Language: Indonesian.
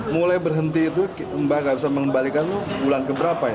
mulai berhenti itu mbak gak bisa mengembalikan bulan keberapa ya